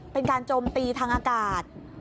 เป็นการโจมตีทางอากาศ